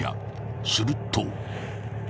すると。